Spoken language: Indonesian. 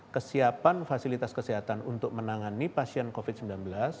kesiapan fasilitas kesehatan untuk menangani pasien covid sembilan belas